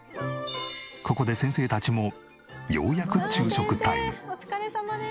ここで先生たちもようやく昼食タイム。